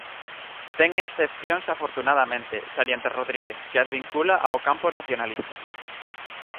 Ten excepcións afortunadamente, salienta Rodríguez, que as vincula ao campo nacionalista.